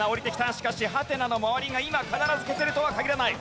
しかしハテナの周りが今必ず消せるとは限らない。